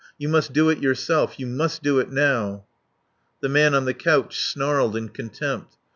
You must do it yourself. You must do it now!" The man on the couch snarled in contempt.